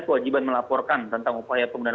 kewajiban melaporkan tentang upaya penggunaan